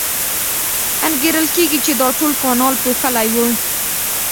انګېرل کېږي چې دا ټول کانال پوښلی و.